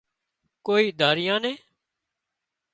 ڪوئي ڌريئا نين